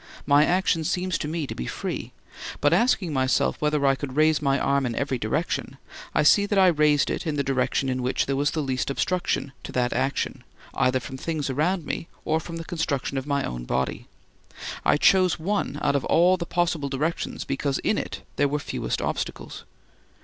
My action seems to me free; but asking myself whether I could raise my arm in every direction, I see that I raised it in the direction in which there was least obstruction to that action either from things around me or from the construction of my own body. I chose one out of all the possible directions because in it there were fewest obstacles.